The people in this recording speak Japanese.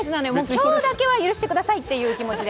今日だけは許してくださいって気持ちで。